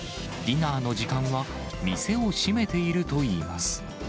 ディナーの時間は店を閉めているといいます。